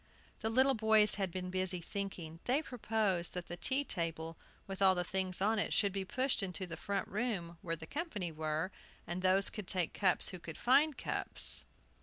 The little boys had been busy thinking. They proposed that the tea table, with all the things on, should be pushed into the front room, where the company were; and those could take cups who could find cups.